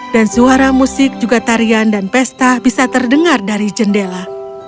dan suara musik juga tarian dan pesta bisa terdengar dari jendela